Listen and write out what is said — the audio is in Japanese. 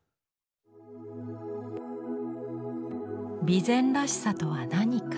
備前らしさとは何か？